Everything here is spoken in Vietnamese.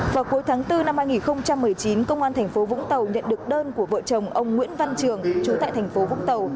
vào cuối tháng bốn năm hai nghìn một mươi chín công an thành phố vũng tàu nhận được đơn của vợ chồng ông nguyễn văn trường chú tại thành phố vũng tàu